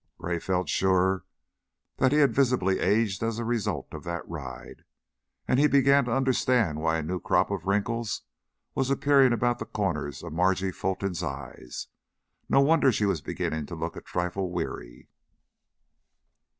Gray felt sure that he had visibly aged as a result of that ride, and he began to understand why a new crop of wrinkles was appearing about the corners of Margie Fulton's eyes. No wonder she was beginning to look a trifle weary.